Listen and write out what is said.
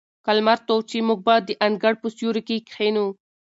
که لمر تود شي، موږ به د انګړ په سیوري کې کښېنو.